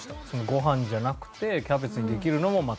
ご飯じゃなくてキャベツにできるのもまた。